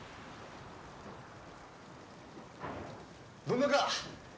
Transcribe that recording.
どんなか？